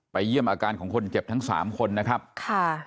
เยี่ยมอาการของคนเจ็บทั้งสามคนนะครับค่ะ